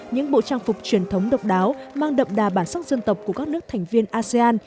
những bộ trang phục truyền thống độc đáo mang đậm đà bản sắc dân tộc của các nước thành viên asean